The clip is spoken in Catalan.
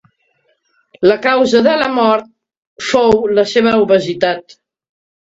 La causa de la mort fou la seva obesitat.